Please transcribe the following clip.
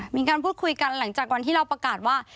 มีการพูดคุยกันหลังจากวันที่เราประกาศว่า